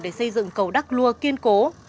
để xây dựng cầu đắc lua kiên cố